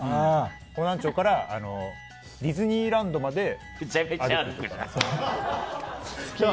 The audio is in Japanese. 方南町からディズニーランドまでめちゃくちゃ歩くじゃん。